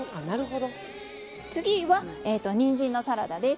次は、にんじんのサラダです。